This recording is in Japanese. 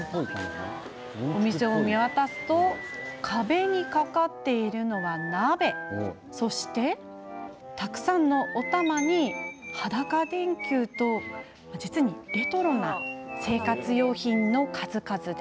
お店を見渡すと壁にかかる鍋たくさんのおたまに裸電球と実にレトロな生活用品の数々。